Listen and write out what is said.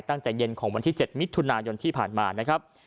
ตั้งแต่เย็นของวันที่๗มิถุนายนที่ผ่านมานะครับ